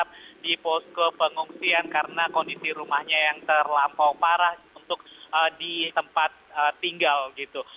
mereka berada di posko pengungsian karena kondisi rumahnya yang terlampau parah untuk di tempat tinggal gitu